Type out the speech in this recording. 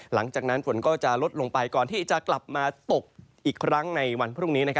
หลังจากนั้นฝนก็จะลดลงไปก่อนที่จะกลับมาตกอีกครั้งในวันพรุ่งนี้